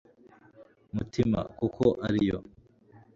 mutima, kuko ariyo